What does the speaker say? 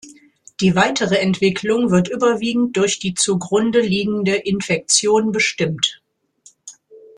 Die weitere Entwicklung wird überwiegend durch die zugrunde liegende Infektion bestimmt.